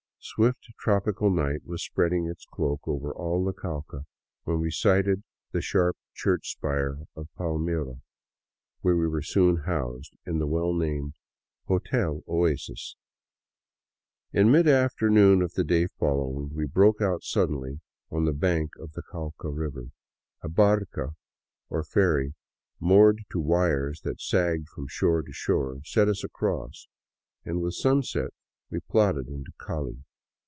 Swift tropical night was spread ing its cloak over all the Cauca when we sighted the sharp church spire of Palmira, where we were soon housed in the well named '' Hotel Oasis." In midafternoon of the day following we broke out suddenly on the bank of the Cauca river. A harca, or ferry, moored to wires that sagged from shore to shore, set us across, and with sunset we plodded into Cali.